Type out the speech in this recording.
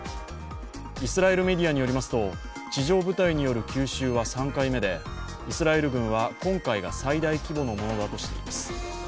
イスラエルメディアによりますと地上部隊による急襲は３回目でイスラエル軍は今回が最大規模のものだとしています。